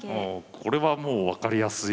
これはもう分かりやすい。